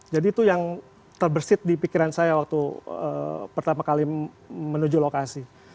jadi itu yang terbersih di pikiran saya waktu pertama kali menuju lokasi